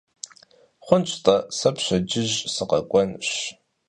Хъунщ-тӀэ, сэ пщэдджыжь сыкъэкӀуэнщ.